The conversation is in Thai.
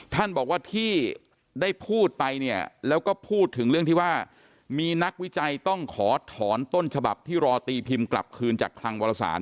ท่านบอกว่าที่ได้พูดไปเนี่ยแล้วก็พูดถึงเรื่องที่ว่ามีนักวิจัยต้องขอถอนต้นฉบับที่รอตีพิมพ์กลับคืนจากคลังวรสาร